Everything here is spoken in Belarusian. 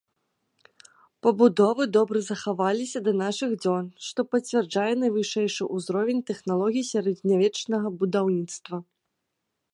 Пабудовы добра захаваліся да нашых дзён, што пацвярджае найвышэйшы ўзровень тэхналогій сярэднявечнага будаўніцтва.